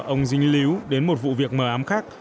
ông dính líu đến một vụ việc mờ ám khác